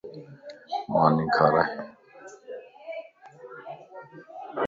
ماني کارائي